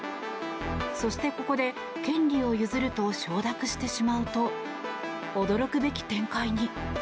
そしてここで権利を譲ると承諾してしまうと驚くべき展開に。